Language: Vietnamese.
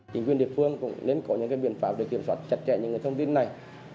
chính quyền địa phương cũng nên có những biện pháp để kiểm soát chặt chẽ những thông tin này